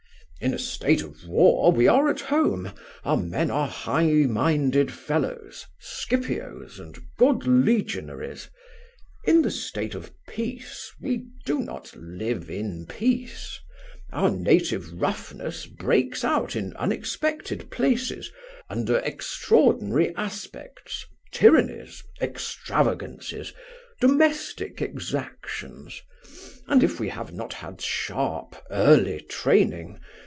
In a state of war we are at home, our men are high minded fellows, Scipios and good legionaries. In the state of peace we do not live in peace: our native roughness breaks out in unexpected places, under extraordinary aspects tyrannies, extravagances, domestic exactions: and if we have not had sharp early training